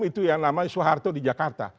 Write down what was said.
itu yang namanya soeharto di jakarta